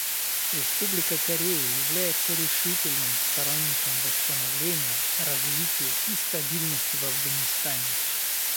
Республика Корея является решительным сторонником восстановления, развития и стабильности в Афганистане.